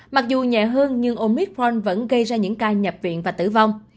mặc dù nhẹ hơn nhưng omicron vẫn gây ra những ca nhập viện và tử vong